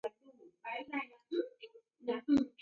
Ukadibonyeria ni uao aghadi ya aw'a w'andu w'aw'i umsaghue.